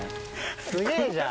すげぇじゃん。